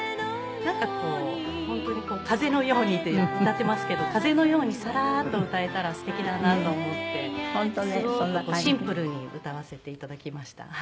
なんかこう本当に「風のよに」って歌っていますけど風のようにさらーっと歌えたらすてきだなと思ってすごくシンプルに歌わせて頂きました。